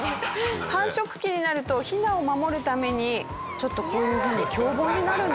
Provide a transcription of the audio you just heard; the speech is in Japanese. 繁殖期になるとヒナを守るためにちょっとこういう風に凶暴になるんですね。